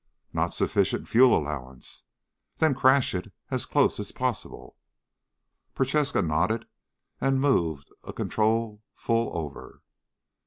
"Not sufficient fuel allowance." "Then crash it as close as possible." Prochaska nodded and moved a control full over.